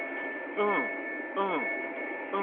うん、うん。